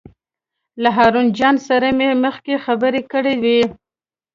له هارون جان سره مې مخکې خبرې کړې وې.